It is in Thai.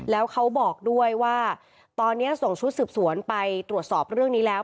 แล้วเขาบอกด้วยว่าตอนนี้ส่งชุดสืบสวนไปตรวจสอบเรื่องนี้แล้ว